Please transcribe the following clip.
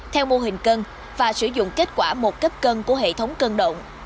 theo mô hình cân và sử dụng kết quả một cấp cân của hệ thống cân động